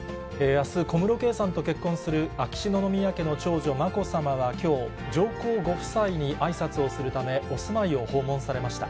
あす、小室圭さんと結婚する秋篠宮家の長女、まこさまはきょう、上皇ご夫妻にあいさつをするため、お住まいを訪問されました。